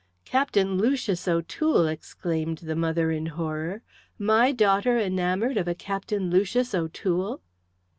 "Captain Lucius O'Toole!" exclaimed the mother, in horror. "My daughter enamoured of a Captain Lucius O'Toole!"